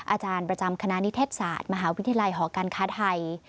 อาจารย์ประจำคณะนิเทศศาสตร์มหาวิทยาลัยหอการค้าไทย